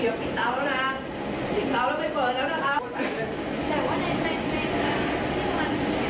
ครอบครัวไม่ได้อาฆาตแต่มองว่ามันช้าเกินไปแล้วที่จะมาแสดงความรู้สึกในตอนนี้